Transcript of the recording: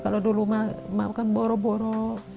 kalau dulu mak makan boro boro